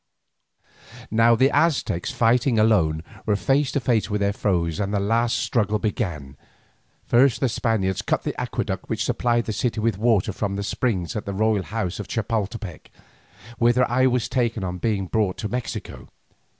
Now the Aztecs fighting alone were face to face with their foes and the last struggle began. First the Spaniards cut the aqueduct which supplied the city with water from the springs at the royal house of Chapoltepec, whither I was taken on being brought to Mexico.